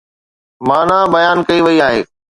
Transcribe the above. معنيٰ بيان ڪئي وئي آهي.